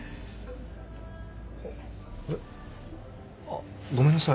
あれっ？あっごめんなさい。